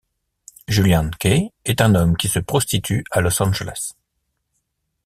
Julian Kay est un homme qui se prostitue à Los Angeles.